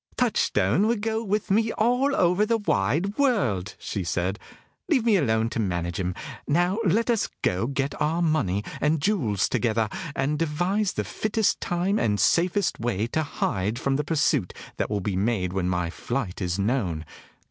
"Touchstone would go with me all over the wide world," she said. "Leave me alone to manage him. Now let us go and get our money and jewels together, and devise the fittest time and safest way to hide from the pursuit that will be made when my flight is known.